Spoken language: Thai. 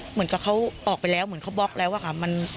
เหมือนกับเขาออกไปแล้วเหมือนเขาบล็อกแล้วอะค่ะ